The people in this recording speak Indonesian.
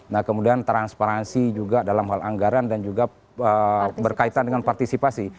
nah kemudian transparansi juga dalam hal anggaran dan juga berkaitan dengan partisipasi